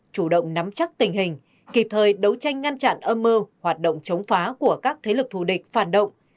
chủ động nắm chắc tình hình kịp thời đấu tranh ngăn chặn âm mơ hoạt động chống phá của các thế lực thù địch phản động